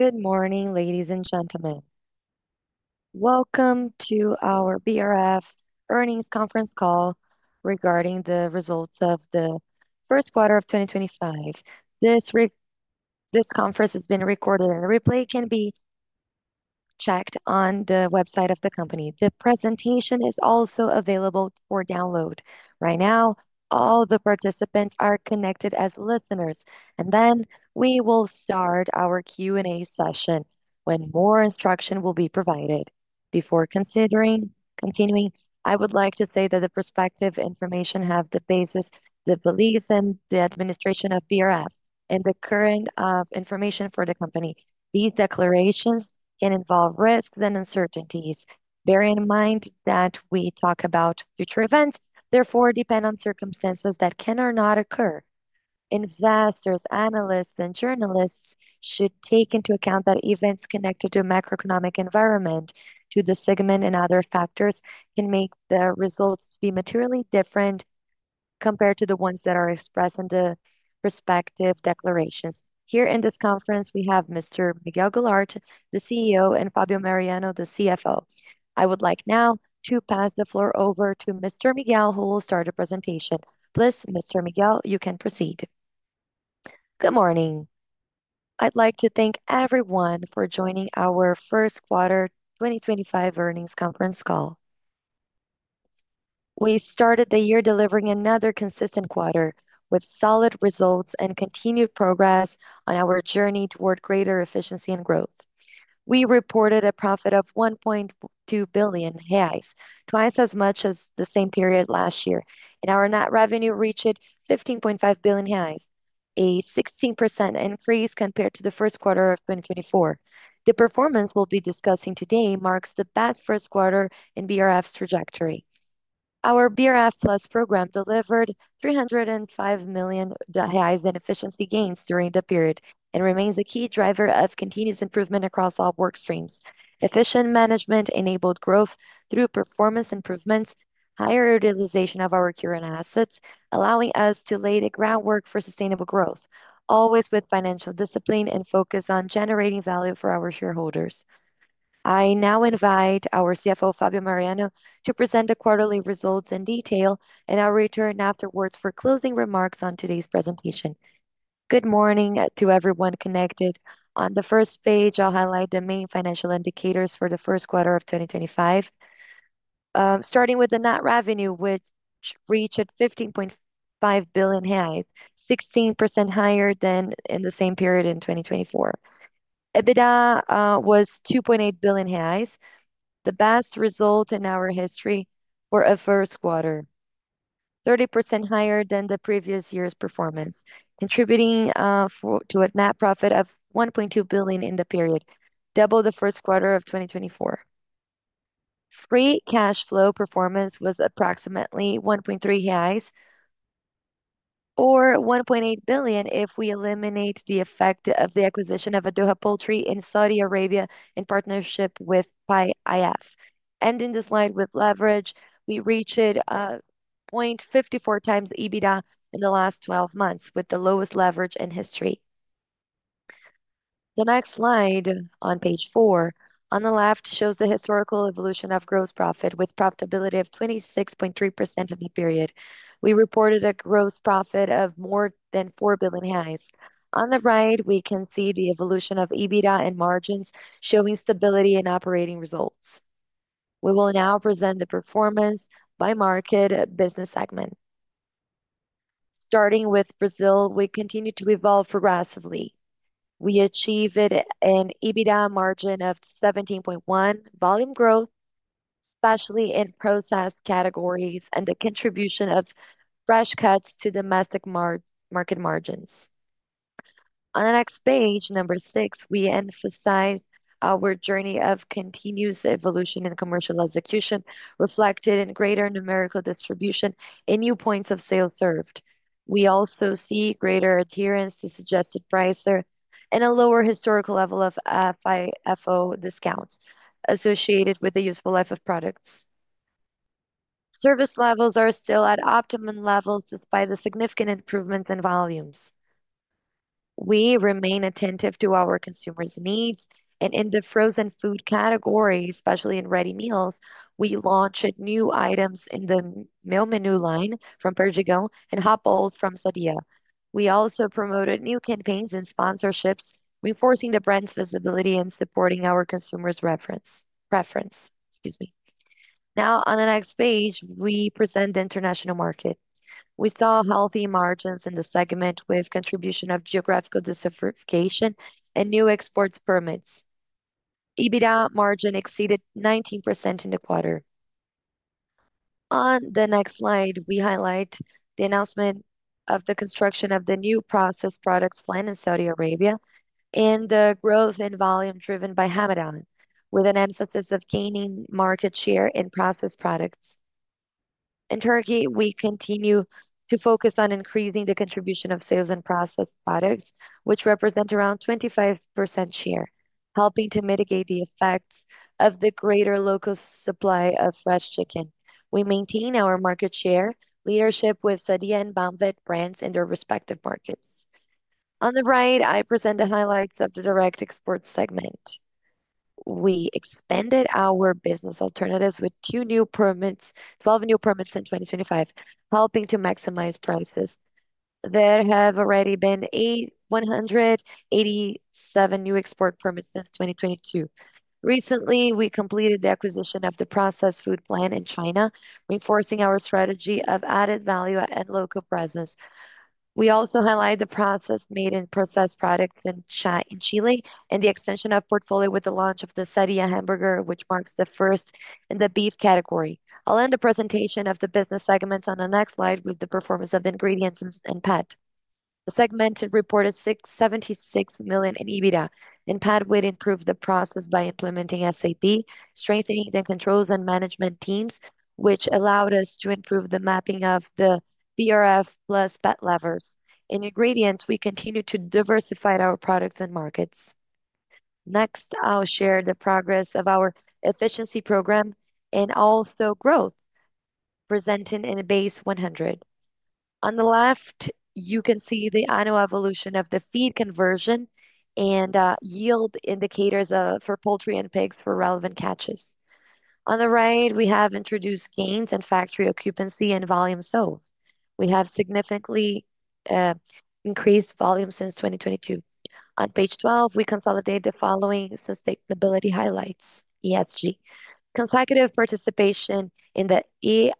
Good morning, ladies and gentlemen. Welcome to our BRF Earnings Conference Call regarding the results of the first quarter of 2025. This conference is being recorded, and the replay can be checked on the website of the company. The presentation is also available for download. Right now, all the participants are connected as listeners, and we will start our Q&A session when more instruction will be provided. Before continuing, I would like to say that the prospective information has the basis, the beliefs, and the administration of BRF, and the current information for the company. These declarations can involve risks and uncertainties. Bear in mind that we talk about future events; therefore, depend on circumstances that can or not occur. Investors, analysts, and journalists should take into account that events connected to the macroeconomic environment, to the segment, and other factors can make the results be materially different compared to the ones that are expressed in the prospective declarations. Here in this conference, we have Mr. Miguel Gularte, the CEO, and Fabio Mariano, the CFO. I would like now to pass the floor over to Mr. Miguel, who will start the presentation. Please, Mr. Miguel, you can proceed. Good morning. I'd like to thank everyone for joining our first quarter 2025 earnings conference call. We started the year delivering another consistent quarter with solid results and continued progress on our journey toward greater efficiency and growth. We reported a profit of 1.2 billion reais, twice as much as the same period last year, and our net revenue reached 15.5 billion reais, a 16% increase compared to the first quarter of 2024. The performance we'll be discussing today marks the best first quarter in BRF's trajectory. Our BRF+ program delivered 305 million reais in efficiency gains during the period and remains a key driver of continuous improvement across all work streams. Efficient management enabled growth through performance improvements, higher utilization of our current assets, allowing us to lay the groundwork for sustainable growth, always with financial discipline and focus on generating value for our shareholders. I now invite our CFO, Fabio Mariano, to present the quarterly results in detail, and I'll return afterwards for closing remarks on today's presentation. Good morning to everyone connected. On the first page, I'll highlight the main financial indicators for the first quarter of 2025, starting with the net revenue, which reached 15.5 billion, 16% higher than in the same period in 2024. EBITDA was 2.8 billion. The best results in our history for a first quarter, 30% higher than the previous year's performance, contributing to a net profit of 1.2 billion in the period, double the first quarter of 2024. Free cash flow performance was approximately 1.3 billion, or 1.8 billion if we eliminate the effect of the acquisition of Addoha Poultry in Saudi Arabia in partnership with PIF. Ending the slide with leverage, we reached 0.54x EBITDA in the last 12 months, with the lowest leverage in history. The next slide on page four on the left shows the historical evolution of gross profit with profitability of 26.3% in the period. We reported a gross profit of more than 4 billion reais. On the right, we can see the evolution of EBITDA and margins showing stability in operating results. We will now present the performance by market business segment. Starting with Brazil, we continue to evolve progressively. We achieved an EBITDA margin of 17.1%, volume growth, especially in processed categories, and the contribution of fresh cuts to domestic market margins. On the next page, number six, we emphasize our journey of continuous evolution in commercial execution, reflected in greater numerical distribution and new points of sale served. We also see greater adherence to suggested price and a lower historical level of FIFO discounts associated with the useful life of products. Service levels are still at optimum levels despite the significant improvements in volumes. We remain attentive to our consumers' needs, and in the frozen food category, especially in ready meals, we launched new items in the meal menu line from Perdigão and hot bowls from Sadia. We also promoted new campaigns and sponsorships, reinforcing the brand's visibility and supporting our consumers' reference. Now, on the next page, we present the international market. We saw healthy margins in the segment with contribution of geographical diversification and new export permits. EBITDA margin exceeded 19% in the quarter. On the next slide, we highlight the announcement of the construction of the new processed products plant in Saudi Arabia and the growth in volume driven by Ramadan, with an emphasis of gaining market share in processed products. In Turkey, we continue to focus on increasing the contribution of sales and processed products, which represent around 25% share, helping to mitigate the effects of the greater local supply of fresh chicken. We maintain our market share leadership with Sadia and Banvit brands in their respective markets. On the right, I present the highlights of the direct export segment. We expanded our business alternatives with 12 new permits in 2025, helping to maximize prices. There have already been 187 new export permits since 2022. Recently, we completed the acquisition of the processed food plant in China, reinforcing our strategy of added value and local presence. We also highlight the progress made in processed products in Chile and the extension of portfolio with the launch of the Sadia hamburger, which marks the first in the beef category. I'll end the presentation of the business segments on the next slide with the performance of Ingredients and Pet. The segment reported 76 million in EBITDA, and Pet would improve the process by implementing SAP, strengthening the controls and management teams, which allowed us to improve the mapping of the BRF+ Pet levers. In Ingredients, we continue to diversify our products and markets. Next, I'll share the progress of our efficiency program and also growth, presenting in a base 100. On the left, you can see the annual evolution of the feed conversion and yield indicators for poultry and pigs for relevant catches. On the right, we have introduced gains in factory occupancy and volume sold. We have significantly increased volume since 2022. On page 12, we consolidate the following sustainability highlights: ESG, consecutive participation in the ISE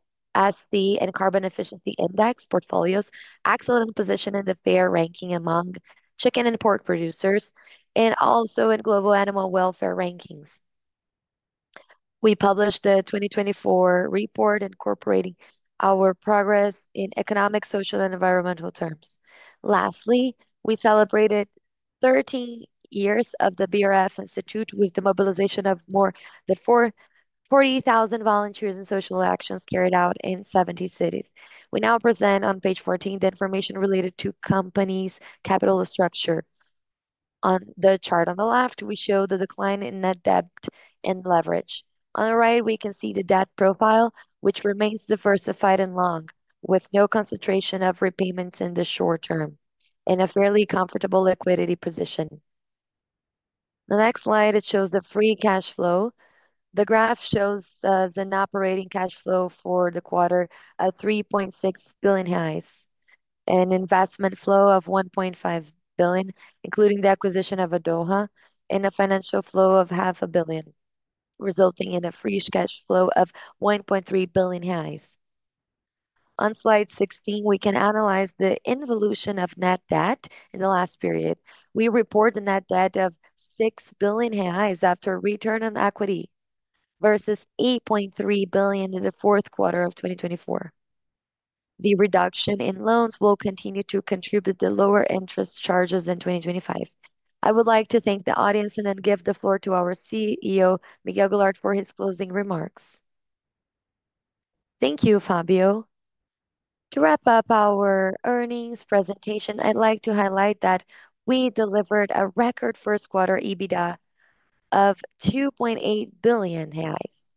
and carbon efficiency index portfolios, excellent position in the FAIRR ranking among chicken and pork producers, and also in global animal welfare rankings. We published the 2024 report incorporating our progress in economic, social, and environmental terms. Lastly, we celebrated 13 years of the BRF Institute with the mobilization of more than 40,000 volunteers and social actions carried out in 70 cities. We now present on page 14 the information related to companies' capital structure. On the chart on the left, we show the decline in net debt and leverage. On the right, we can see the debt profile, which remains diversified and long, with no concentration of repayments in the short term and a fairly comfortable liquidity position. The next slide, it shows the free cash flow. The graph shows the operating cash flow for the quarter of 3.6 billion and an investment flow of 1.5 billion, including the acquisition of Addoha, and a financial flow of 500 million, resulting in a free cash flow of 1.3 billion. On slide 16, we can analyze the involution of net debt in the last period. We report the net debt of 6 billion reais after return on equity versus 8.3 billion in the fourth quarter of 2024. The reduction in loans will continue to contribute to lower interest charges in 2025. I would like to thank the audience and then give the floor to our CEO, Miguel Gularte, for his closing remarks. Thank you, Fabio. To wrap up our earnings presentation, I'd like to highlight that we delivered a record first quarter EBITDA of 2.8 billion reais.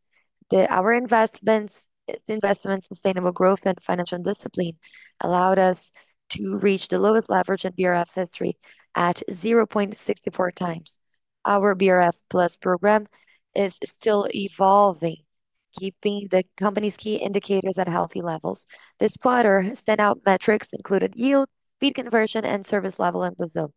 Our investments, sustainable growth, and financial discipline allowed us to reach the lowest leverage in BRF's history at 0.64x. Our BRF+ program is still evolving, keeping the company's key indicators at healthy levels. This quarter, standout metrics included yield, feed conversion, and service level in Brazil.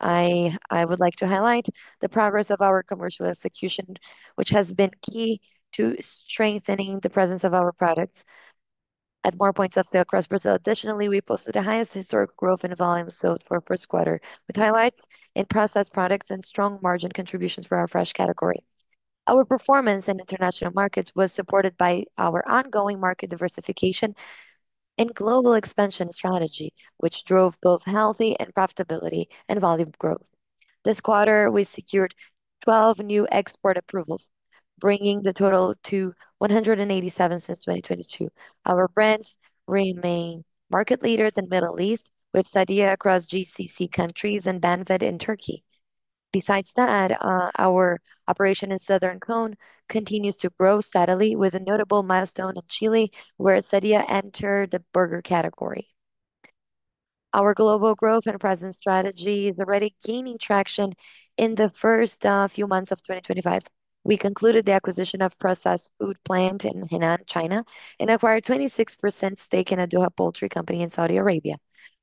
I would like to highlight the progress of our commercial execution, which has been key to strengthening the presence of our products at more points of sale across Brazil. Additionally, we posted the highest historical growth in volume sold for a first quarter, with highlights in processed products and strong margin contributions for our fresh category. Our performance in international markets was supported by our ongoing market diversification and global expansion strategy, which drove both healthy profitability and volume growth. This quarter, we secured 12 new export approvals, bringing the total to 187 since 2022. Our brands remain market leaders in the Middle East, with Sadia across GCC countries and Banvit in Turkey. Besides that, our operation in Southern Cone continues to grow steadily, with a notable milestone in Chile, where Sadia entered the burger category. Our global growth and presence strategy is already gaining traction in the first few months of 2025. We concluded the acquisition of processed food plant in Henan, China, and acquired a 26% stake in Addoha Poultry Company in Saudi Arabia.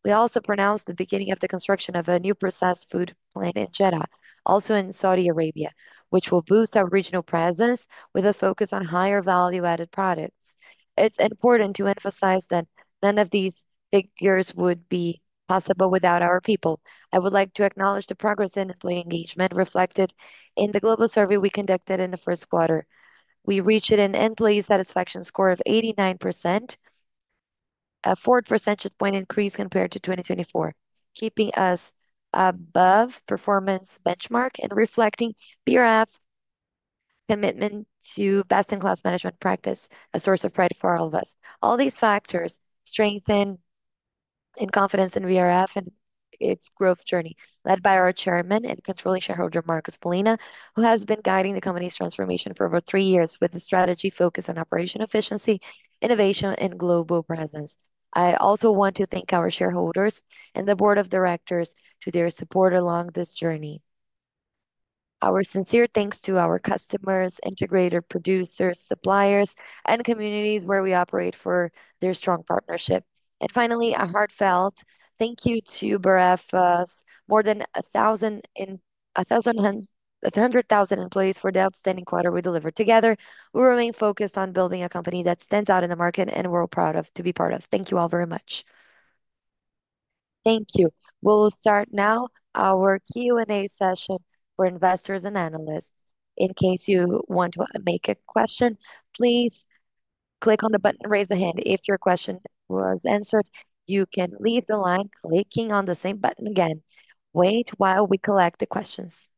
We also announced the beginning of the construction of a new processed food plant in Jeddah, also in Saudi Arabia, which will boost our regional presence with a focus on higher value-added products. It's important to emphasize that none of these figures would be possible without our people. I would like to acknowledge the progress in employee engagement reflected in the global survey we conducted in the first quarter. We reached an employee satisfaction score of 89%, a 4 percentage point increase compared to 2024, keeping us above performance benchmark and reflecting BRF commitment to best-in-class management practice, a source of pride for all of us. All these factors strengthen confidence in BRF and its growth journey, led by our Chairman and controlling shareholder, Marcos Molina, who has been guiding the company's transformation for over three years with a strategy focused on operational efficiency, innovation, and global presence. I also want to thank our shareholders and the board of directors for their support along this journey. Our sincere thanks to our customers, integrators, producers, suppliers, and communities where we operate for their strong partnership. Finally, a heartfelt thank you to BRF's more than 1,000 employees for the outstanding quarter we delivered together. We remain focused on building a company that stands out in the market and we are proud to be part of. Thank you all very much. Thank you. We will start now our Q&A session for investors and analysts. In case you want to make a question, please click on the button and raise a hand. If your question was answered, you can leave the line clicking on the same button again. Wait while we collect the questions.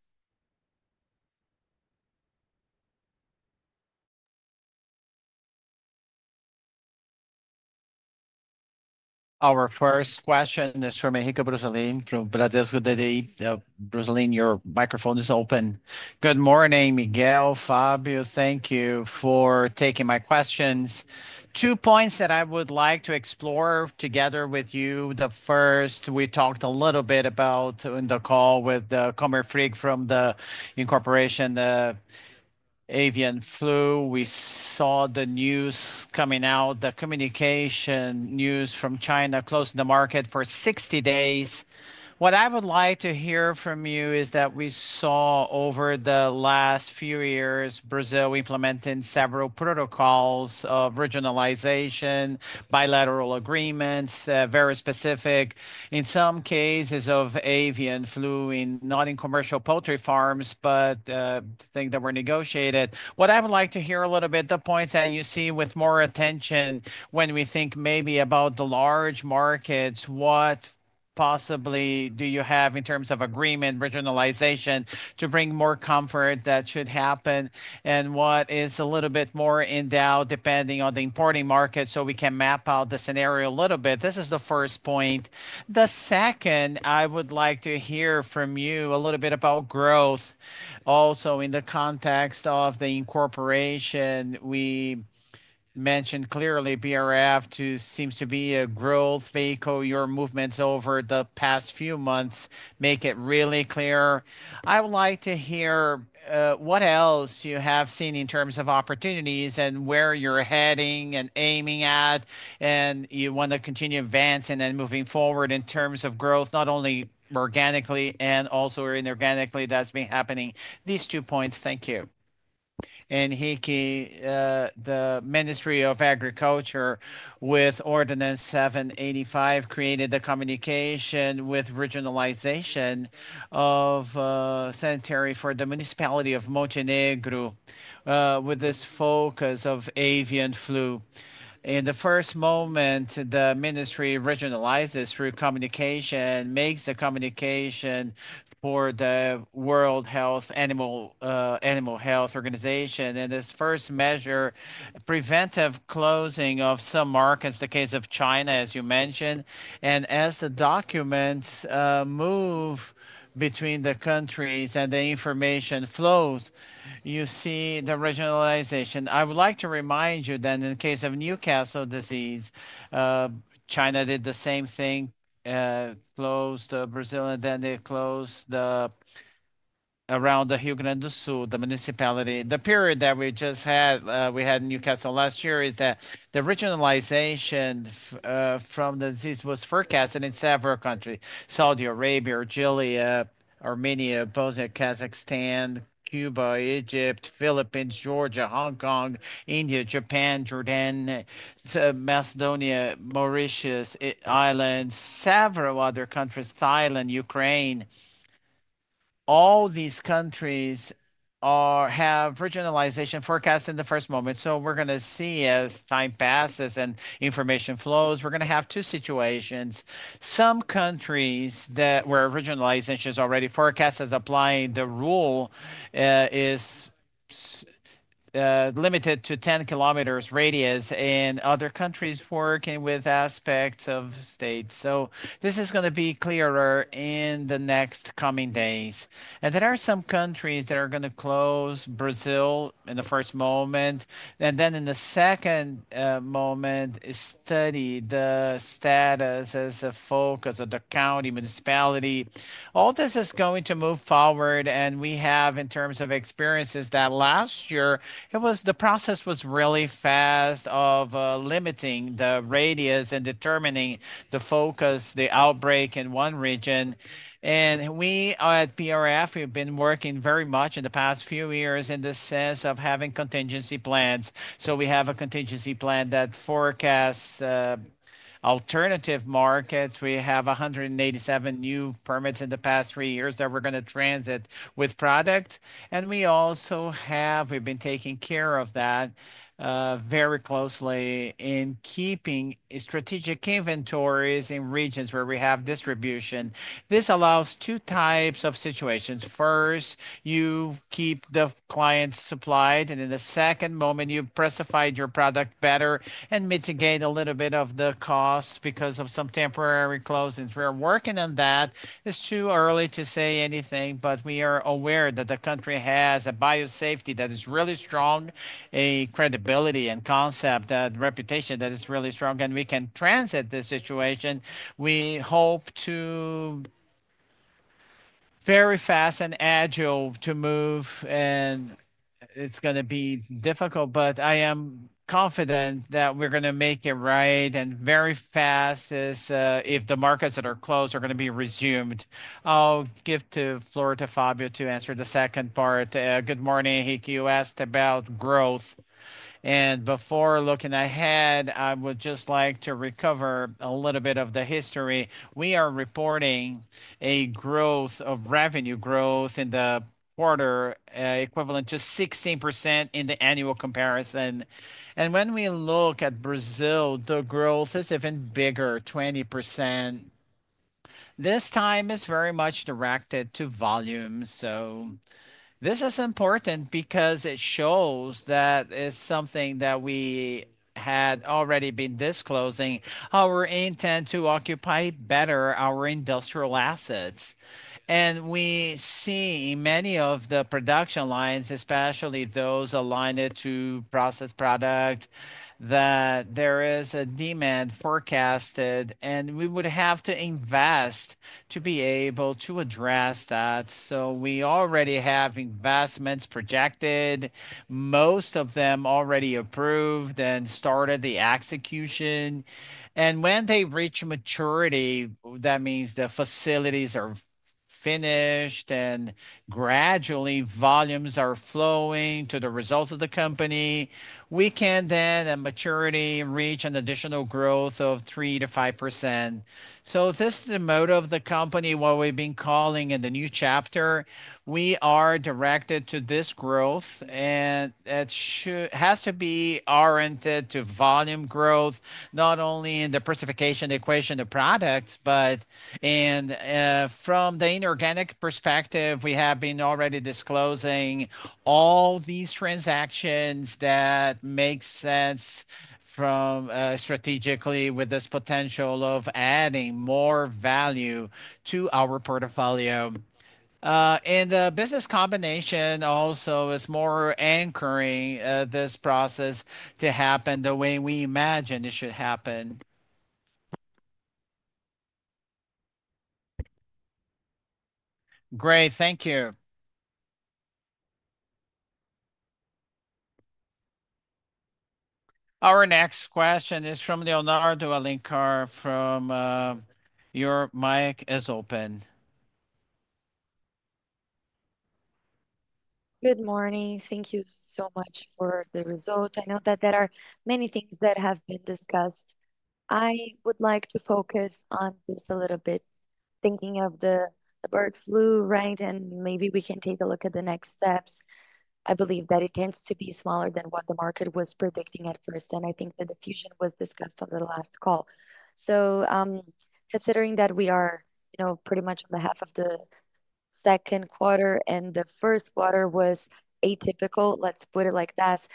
Our first question is from Henrique Brustolin from Bradesco BBI. Your microphone is open. Good morning, Miguel. Fabio, thank you for taking my questions. Two points that I would like to explore together with you. The first, we talked a little bit about in the call with Marfrig from the incorporation, the Avian flu. We saw the news coming out, the communication news from China closing the market for 60 days. What I would like to hear from you is that we saw over the last few years, Brazil implementing several protocols of regionalization, bilateral agreements, very specific in some cases of Avian flu in not in commercial poultry farms, but things that were negotiated. What I would like to hear a little bit, the points that you see with more attention when we think maybe about the large markets, what possibly do you have in terms of agreement, regionalization to bring more comfort that should happen? What is a little bit more in doubt depending on the importing market so we can map out the scenario a little bit? This is the first point. The second, I would like to hear from you a little bit about growth also in the context of the incorporation. We mentioned clearly BRF seems to be a growth vehicle. Your movements over the past few months make it really clear. I would like to hear what else you have seen in terms of opportunities and where you're heading and aiming at, and you want to continue advancing and moving forward in terms of growth, not only organically and also inorganically, that's been happening. These two points, thank you. Henrique, the Ministry of Agriculture, with Ordinance 785, created the communication with regionalization of sanitary for the municipality of Montenegro with this focus of Avian flu. In the first moment, the ministry regionalizes through communication and makes a communication for the World Animal Health Organization. In this first measure, preventive closing of some markets, the case of China, as you mentioned. As the documents move between the countries and the information flows, you see the regionalization. I would like to remind you that in the case of Newcastle disease, China did the same thing. It closed Brazil, and then it closed around the Rio Grande do Sul, the municipality. The period that we just had, we had in Newcastle last year is that the regionalization from the disease was forecast in several countries: Saudi Arabia, Chile, Armenia, Bosnia, Kazakhstan, Cuba, Egypt, Philippines, Georgia, Hong Kong, India, Japan, Jordan, Macedonia, Mauritius Islands, several other countries, Thailand, Ukraine. All these countries have regionalization forecast in the first moment. We are going to see as time passes and information flows, we are going to have two situations. Some countries where regionalization is already forecast as applying the rule is limited to 10 km radius in other countries working with aspects of states. This is going to be clearer in the next coming days. There are some countries that are going to close Brazil in the first moment. In the second moment, study the status as a focus of the county municipality. All this is going to move forward. We have, in terms of experiences, that last year, the process was really fast of limiting the radius and determining the focus, the outbreak in one region. We at BRF, we've been working very much in the past few years in the sense of having contingency plans. We have a contingency plan that forecasts alternative markets. We have 187 new permits in the past three years that we're going to transit with product. We also have, we've been taking care of that very closely in keeping strategic inventories in regions where we have distribution. This allows two types of situations. First, you keep the clients supplied, and in the second moment, you precified your product better and mitigate a little bit of the cost because of some temporary closings. We are working on that. It is too early to say anything, but we are aware that the country has a biosafety that is really strong, a credibility and concept and reputation that is really strong, and we can transit this situation. We hope to be very fast and agile to move, and it is going to be difficult, but I am confident that we are going to make it right and very fast if the markets that are closed are going to be resumed. I will give to Fabio to answer the second part. Good morning, Henrique. You asked about growth. Before looking ahead, I would just like to recover a little bit of the history. We are reporting a growth of revenue growth in the quarter equivalent to 16% in the annual comparison. When we look at Brazil, the growth is even bigger, 20%. This time is very much directed to volumes. This is important because it shows that it's something that we had already been disclosing. Our intent to occupy better our industrial assets. We see many of the production lines, especially those aligned to processed product, that there is a demand forecasted, and we would have to invest to be able to address that. We already have investments projected, most of them already approved and started the execution. When they reach maturity, that means the facilities are finished and gradually volumes are flowing to the results of the company. We can then at maturity reach an additional growth of 3%-5%. This is the motive of the company, what we've been calling the new chapter. We are directed to this growth, and it has to be oriented to volume growth, not only in the precification equation of products, but from the inorganic perspective, we have been already disclosing all these transactions that make sense strategically with this potential of adding more value to our portfolio. The business combination also is more anchoring this process to happen the way we imagine it should happen. Great. Thank you. Our next question is from Leonardo Alencar. Your mic is open. Good morning. Thank you so much for the result. I know that there are many things that have been discussed. I would like to focus on this a little bit, thinking of the bird flu, right? Maybe we can take a look at the next steps. I believe that it tends to be smaller than what the market was predicting at first, and I think that the fusion was discussed on the last call. Considering that we are pretty much on the half of the second quarter and the first quarter was atypical, let's put it like that,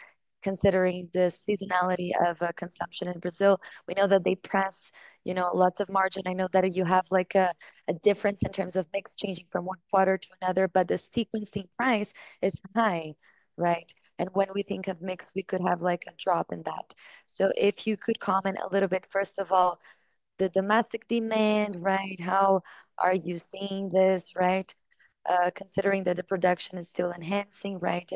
considering the seasonality of consumption in Brazil, we know that they press lots of margin. I know that you have a difference in terms of mix changing from one quarter to another, but the sequencing price is high, right? When we think of mix, we could have a drop in that. If you could comment a little bit, first of all, the domestic demand, right? How are you seeing this, right? Considering that the production is still enhancing, right?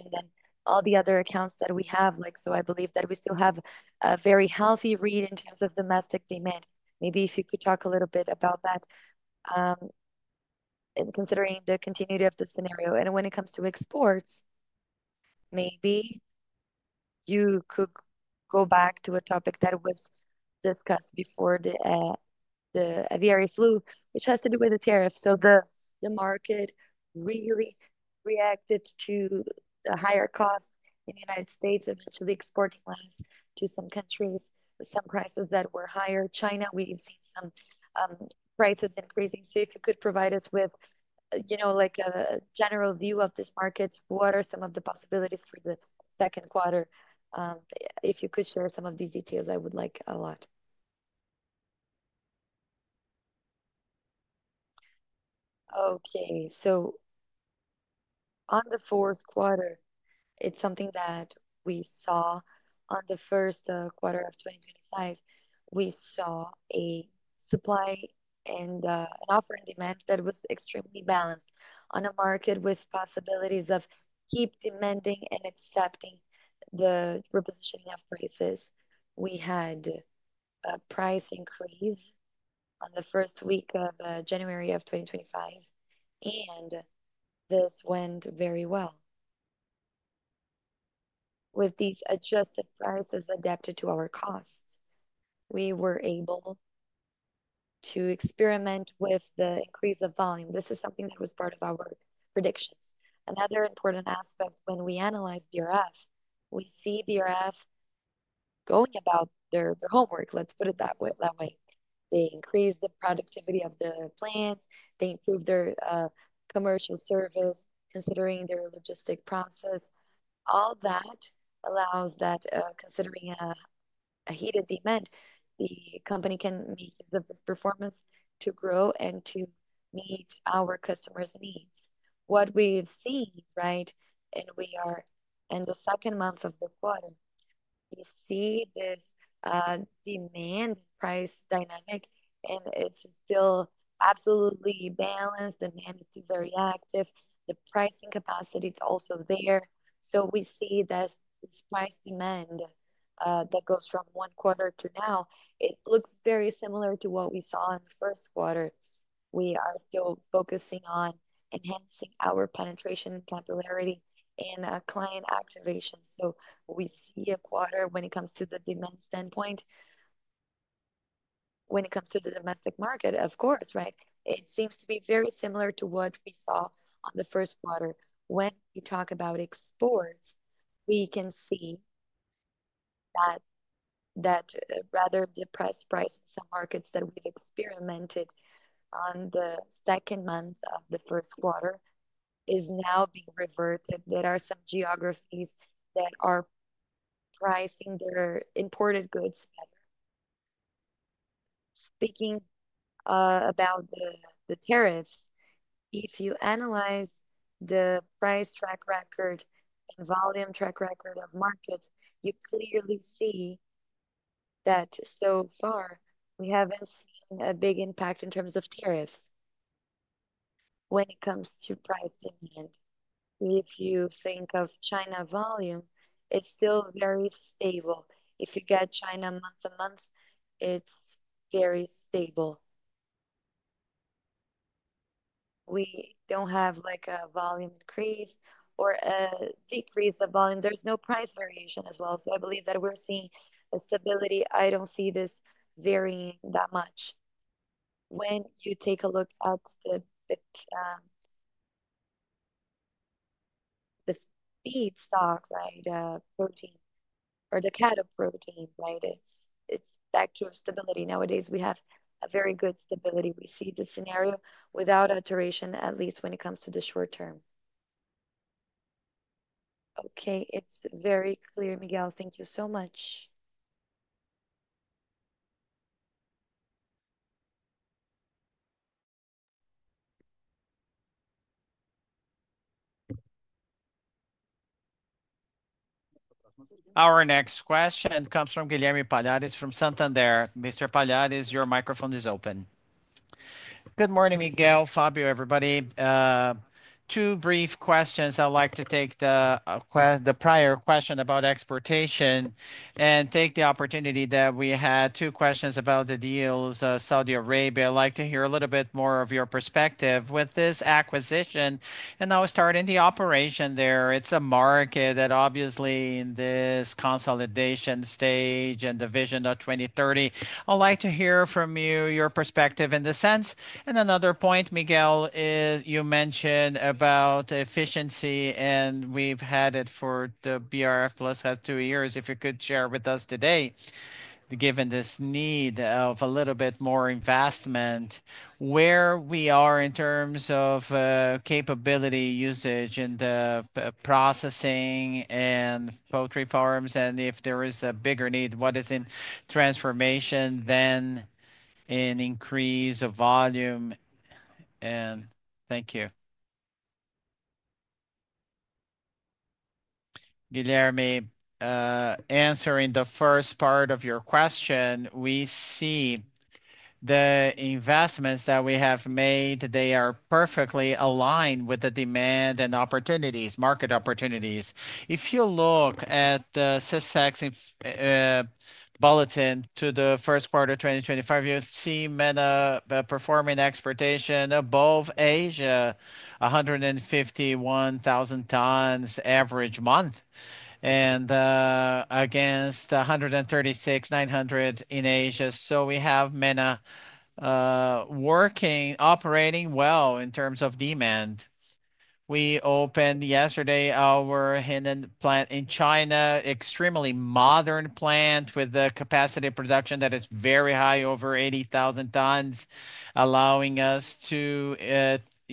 All the other accounts that we have, I believe that we still have a very healthy read in terms of domestic demand. Maybe if you could talk a little bit about that and considering the continuity of the scenario. When it comes to exports, maybe you could go back to a topic that was discussed before the Avian flu, which has to do with the tariff. The market really reacted to the higher cost in the United States, eventually exporting less to some countries, some prices that were higher. China, we've seen some prices increasing. If you could provide us with a general view of this market, what are some of the possibilities for the second quarter? If you could share some of these details, I would like that a lot. Okay. On the fourth quarter, it's something that we saw on the first quarter of 2025. We saw a supply and an offer and demand that was extremely balanced on a market with possibilities of keep demanding and accepting the repositioning of prices. We had a price increase on the first week of January of 2025, and this went very well. With these adjusted prices adapted to our cost, we were able to experiment with the increase of volume. This is something that was part of our predictions. Another important aspect when we analyze BRF, we see BRF going about their homework, let's put it that way. They increase the productivity of the plants. They improve their commercial service, considering their logistic process. All that allows that considering a heated demand, the company can make use of this performance to grow and to meet our customers' needs. What we've seen, right? We are in the second month of the quarter, we see this demand and price dynamic, and it's still absolutely balanced. The demand is still very active. The pricing capacity is also there. We see this price demand that goes from one quarter to now. It looks very similar to what we saw in the first quarter. We are still focusing on enhancing our penetration and capillarity and client activation. We see a quarter when it comes to the demand standpoint, when it comes to the domestic market, of course, right? It seems to be very similar to what we saw in the first quarter. When we talk about exports, we can see that rather depressed price in some markets that we've experimented on the second month of the first quarter is now being reverted. There are some geographies that are pricing their imported goods better. Speaking about the tariffs, if you analyze the price track record and volume track record of markets, you clearly see that so far we have not seen a big impact in terms of tariffs when it comes to price demand. If you think of China volume, it is still very stable. If you get China month to month, it is very stable. We do not have a volume increase or a decrease of volume. There is no price variation as well. I believe that we are seeing a stability. I do not see this varying that much. When you take a look at the feed stock, right, protein or the cattle protein, right, it is back to stability. Nowadays, we have a very good stability. We see the scenario without alteration, at least when it comes to the short term. Okay. It is very clear, Miguel. Thank you so much. Our next question comes from Guilherme Palhares from Santander. Mr. Palhares, your microphone is open. Good morning, Miguel, Fabio, everybody. Two brief questions. I'd like to take the prior question about exportation and take the opportunity that we had two questions about the deals of Saudi Arabia. I'd like to hear a little bit more of your perspective with this acquisition. Now starting the operation there, it's a market that obviously in this consolidation stage and the vision of 2030. I'd like to hear from you your perspective in the sense. Another point, Miguel, you mentioned about efficiency, and we've had it for the BRF+ two years. If you could share with us today, given this need of a little bit more investment, where we are in terms of capability usage and processing and poultry farms, and if there is a bigger need, what is in transformation, then an increase of volume. Thank you. Guilherme, answering the first part of your question, we see the investments that we have made, they are perfectly aligned with the demand and opportunities, market opportunities. If you look at the SECEX bulletin to the first quarter of 2025, you've seen performing exportation above Asia, 151,000 tons average month, and against 136,900 in Asia. We have MENA working, operating well in terms of demand. We opened yesterday our Henan plant in China, extremely modern plant with the capacity production that is very high, over 80,000 tons, allowing us to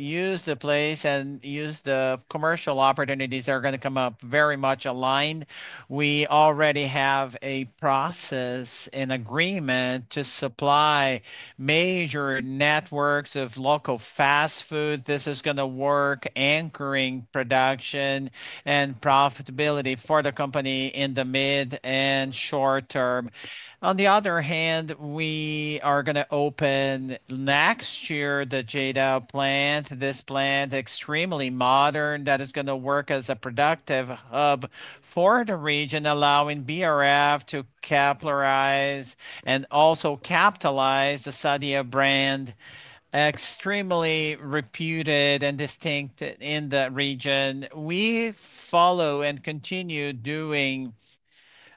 use the place and use the commercial opportunities that are going to come up very much aligned. We already have a process and agreement to supply major networks of local fast food. This is going to work anchoring production and profitability for the company in the mid and short term. On the other hand, we are going to open next year the Jeddah plant. This plant is extremely modern that is going to work as a productive hub for the region, allowing BRF to capitalize and also capitalize the Sadia brand, extremely reputed and distinct in the region. We follow and continue doing,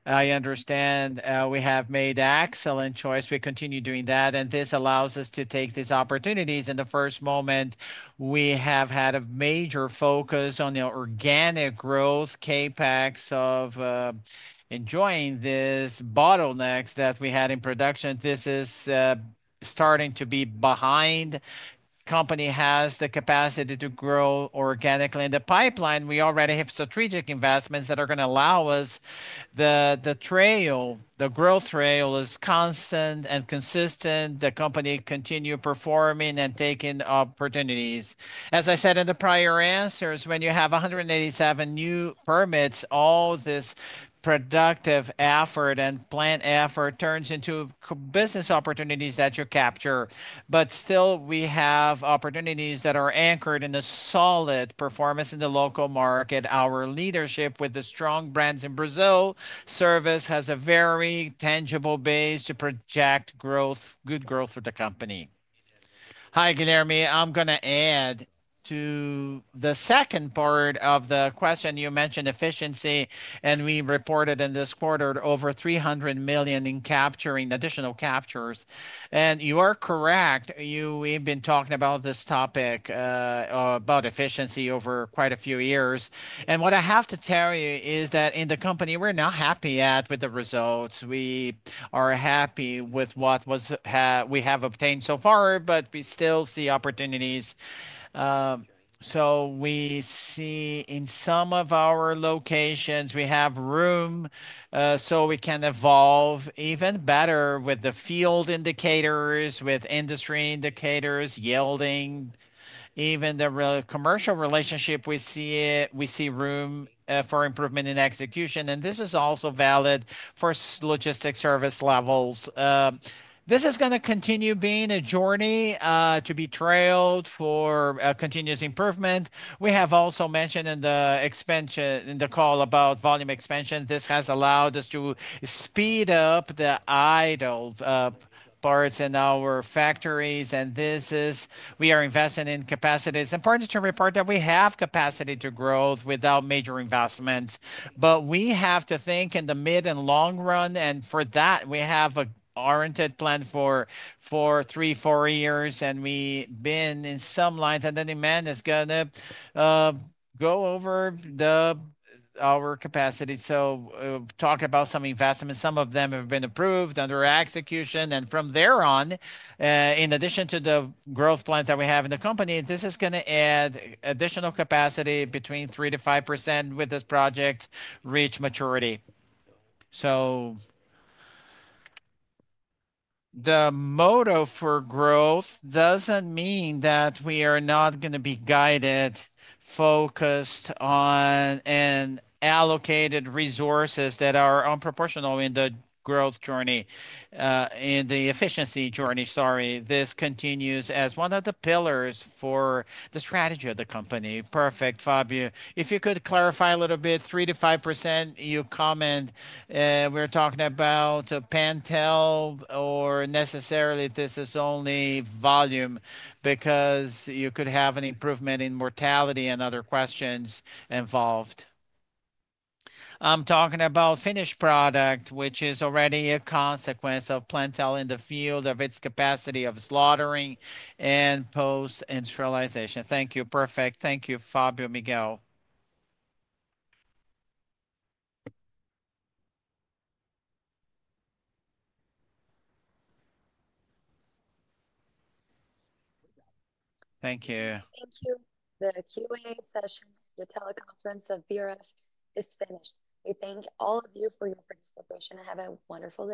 I understand we have made excellent choice. We continue doing that, and this allows us to take these opportunities. In the first moment, we have had a major focus on the organic growth, CapEx of enjoying these bottlenecks that we had in production. This is starting to be behind. The company has the capacity to grow organically in the pipeline. We already have strategic investments that are going to allow us the trail. The growth trail is constant and consistent. The company continues performing and taking opportunities. As I said in the prior answers, when you have 187 new permits, all this productive effort and plant effort turns into business opportunities that you capture. We still have opportunities that are anchored in a solid performance in the local market. Our leadership with the strong brands in Brazil service has a very tangible base to project good growth for the company. Hi, Guilherme. I'm going to add to the second part of the question. You mentioned efficiency, and we reported in this quarter over 300 million in capturing additional captures. You are correct. We've been talking about this topic about efficiency over quite a few years. What I have to tell you is that in the company, we're not happy yet with the results. We are happy with what we have obtained so far, but we still see opportunities. We see in some of our locations, we have room so we can evolve even better with the field indicators, with industry indicators, yielding, even the commercial relationship. We see room for improvement in execution. This is also valid for logistics service levels. This is going to continue being a journey to be trailed for continuous improvement. We have also mentioned in the call about volume expansion. This has allowed us to speed up the idle parts in our factories. We are investing in capacity. It is important to report that we have capacity to grow without major investments. We have to think in the mid and long run. For that, we have an oriented plan for three, four years. We have been in some lines, and the demand is going to go over our capacity. Talk about some investments. Some of them have been approved and are under execution. From there on, in addition to the growth plans that we have in the company, this is going to add additional capacity between 3%-5% when this project reaches maturity. The motto for growth does not mean that we are not going to be guided, focused on, and allocate resources that are unproportional in the growth journey, in the efficiency journey. Sorry. This continues as one of the pillars for the strategy of the company. Perfect, Fabio. If you could clarify a little bit, 3%-5%, you comment we're talking about Plantel or necessarily this is only volume because you could have an improvement in mortality and other questions involved. I'm talking about finished product, which is already a consequence of Plantel in the field of its capacity of slaughtering and post-industrialization. Thank you. Perfect. Thank you, Fabio, Miguel. Thank you. Thank you. The Q&A session, the teleconference of BRF is finished. We thank all of you for your participation. Have a wonderful day.